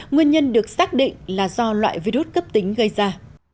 nguyên nhân được xác định là do loại virus cấp tính gây ra